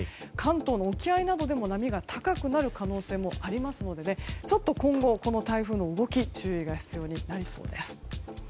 関東の沖合などでも波が高くなる可能性がありますのでちょっと今後、台風の動きに注意が必要になりそうです。